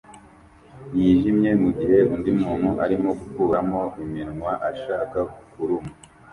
yijimye mugihe undi muntu arimo gukuramo iminwa ashaka kurumwa